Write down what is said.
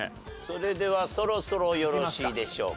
それではそろそろよろしいでしょうか？